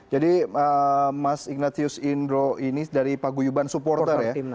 jadi mas ignatius indro ini dari paguyuban supporter ya